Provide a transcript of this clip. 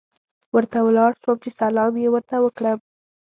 ورته ولاړ شوم چې سلام یې ورته وکړم.